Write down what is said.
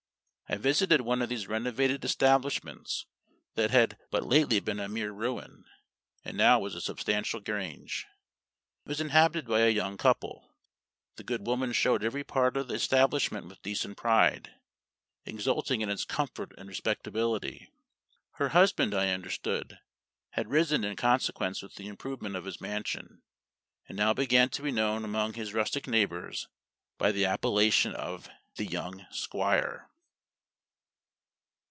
I visited one of these renovated establishments that had but lately been a mere ruin, and now was a substantial grange. It was inhabited by a young couple. The good woman showed every part of the establishment with decent pride, exulting in its comfort and respectability. Her husband, I understood, had risen in consequence with the improvement of his mansion, and now began to be known among his rustic neighbors by the appellation of "the young Squire."